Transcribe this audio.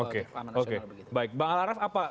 keamanan nasional baik bang alaraf apa